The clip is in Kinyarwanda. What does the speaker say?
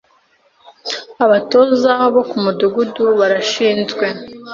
Abatoza bo ku Mudugudu barashinzwe